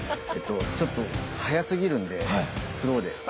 ちょっと速すぎるんでスローで。